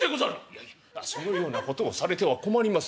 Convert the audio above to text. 「いやいやそのようなことをされては困ります